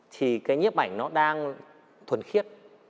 thì cái nhấp ảnh nó đang thuần khiết